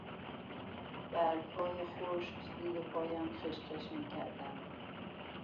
برگهای خشک زیر پایم خشخش میکردند.